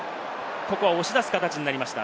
ここは押し出す形になりました。